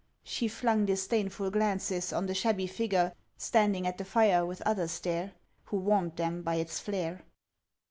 She flung disdainful glances on The shabby figure standing at the fire with others there, Who warmed them by its flare.